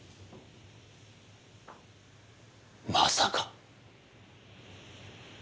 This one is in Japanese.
まさか。